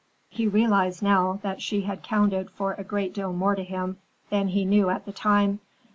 He realized now that she had counted for a great deal more to him than he knew at the time.